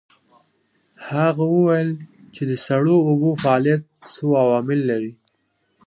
هغه وویل چې د سړو اوبو فعالیت څو عوامل لري.